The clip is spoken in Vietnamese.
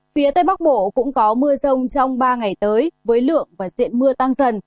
phía tây bắc bộ cũng có mưa rông trong ba ngày tới với lượng và diện mưa tăng dần